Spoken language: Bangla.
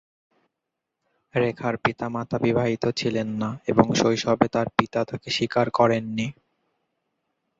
রেখার পিতামাতা বিবাহিত ছিলেন না এবং শৈশবে তার পিতা তাকে স্বীকার করেননি।